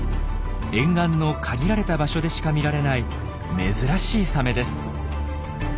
沿岸の限られた場所でしか見られない珍しいサメです。